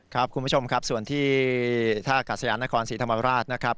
คุณผู้ชมครับส่วนที่ท่ากาศยานนครศรีธรรมราชนะครับ